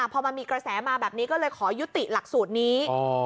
พอมันมีกระแสมาแบบนี้ก็เลยขอยุติหลักสูตรนี้